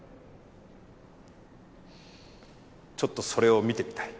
ちょっとそれを見てみたい。